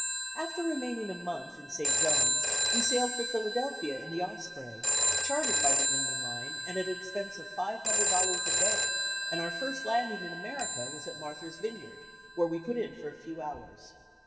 After remaining a month in St. John's, we sailed for Philadelphia in the Osprey, chartered by the Inman line at an expense of $500 a day, and our first landing in America was at Martha's Vineyard, where we put in for a few hours.